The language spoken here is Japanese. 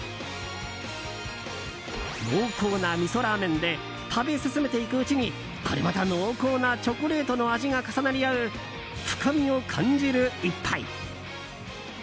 濃厚なみそラーメンで食べ進めていくうちにこれまた濃厚なチョコレートの味が重なり合う深みを感じる１杯。